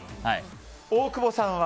大久保さんは？